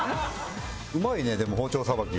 うまいねでも包丁さばき。